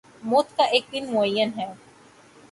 موت کا ایک دن معین ہے